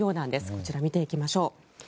こちら、見ていきましょう。